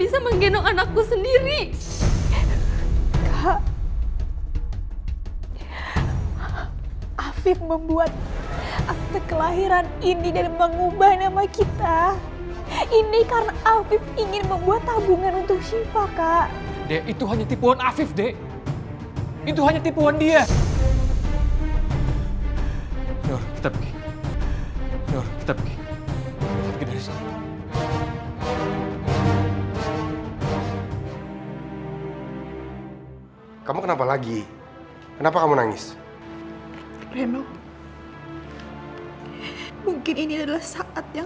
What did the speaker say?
sampai jumpa di video selanjutnya